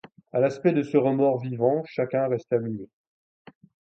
À l’aspect de ce remords vivant chacun resta muet.